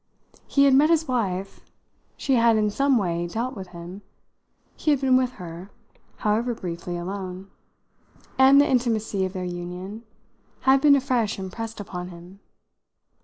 He had met his wife; she had in some way dealt with him; he had been with her, however briefly, alone; and the intimacy of their union had been afresh impressed upon him.